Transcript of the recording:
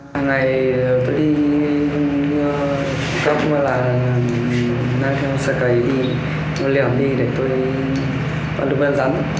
hằng ngày tôi đi các ngôi làng ngôi liệu đi để tôi có được văn rắn